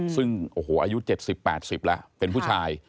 ซึ่งโอ้โหอายุ๗๐๘๐แล้วเป็นผู้ชาย